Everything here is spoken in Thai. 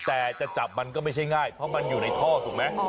แต่จะจับมันก็ไม่ใช่ง่ายเพราะมันอยู่ในท่อถูกไหม